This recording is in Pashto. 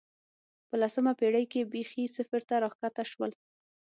په لسمه پېړۍ کې بېخي صفر ته راښکته شول